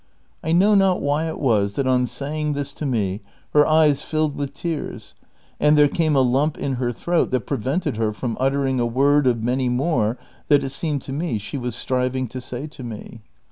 I know not wh} it was that on saying this to me her eyes filled with tears, and there came a lump in her throat that prevented her from uttering a word of many more that it seemed to me she was striving to say to me.